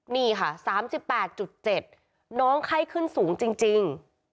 นี่ค่ะ๓๘๗น้องไข้ขึ้นสูงจริง